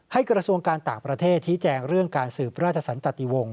กระทรวงการต่างประเทศชี้แจงเรื่องการสืบราชสันตติวงศ